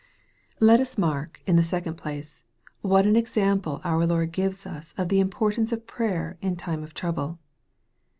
Let us mark, in the second place, what an example out Lord gives us of the importance of prayer in time of trouble.